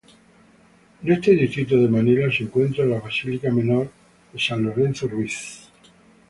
En este Distrito de Manila se encuentra la Basílica Menor de San Lorenzo Ruiz.